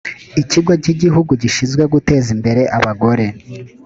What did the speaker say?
ikigo cy’igihugu gishinzwe guteza imbere abagore